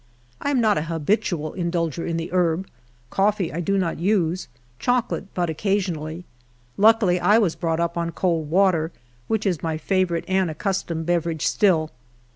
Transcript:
1 am not an habitual in dulger in the herb ; coffee I do not use ; chocolate but occa sionally. Luckil}^ I was brought up on cold water, which is my favorite and accustomed beverage still.